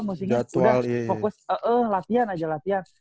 pusikin udah fokus latihan aja latihan